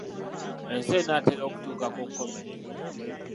Ensi enaatera okutuuka ku nkomerero.